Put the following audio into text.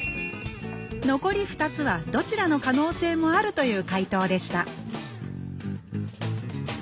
残り２つはどちらの可能性もあるという回答でした